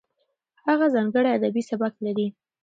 هغه ځانګړی ادبي سبک لري.